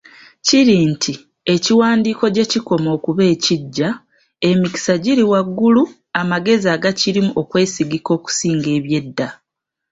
Kiri nti, ekiwandiikko gye kikoma okuba ekiggya, emikisa giri waggulu amagezi agakirimu okwesigika okusinga eby’edda.